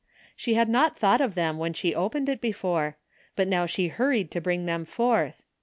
She had not thought of them when she opened it before, but now she hurried to bring them forth.